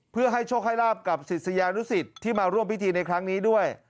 เพื่อให้โชคให้ลาบกับศิษยานุสิตที่มาร่วมพิธีในครั้งนี้ด้วย